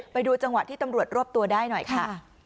ไปดูจังหวะที่ตำรวจรวบตัวได้หน่อยค่ะ